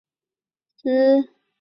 管理组织为卡蒂萨克号信托。